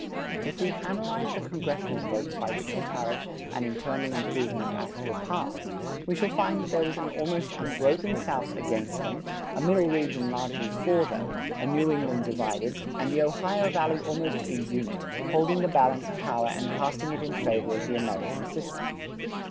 If we analyse the congressional votes by which the tariff and internal improvement acts were passed, we shall find that there was an almost unbroken South against them, a Middle Region largely for them, a New England divided, and the Ohio Valley almost a unit, holding the balance of power and casting it in favor of the American system.